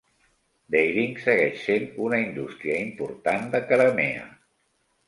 Dairying segueix sent una indústria important de Karamea.